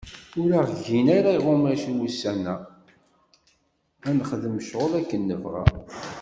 Ur aɣ-gin ara iɣumac n wussan-a, ad nexdem ccɣel akken nebɣa.